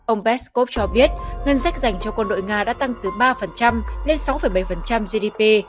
ông peskov cho biết ngân sách dành cho quân đội nga đã tăng từ ba lên sáu bảy gdp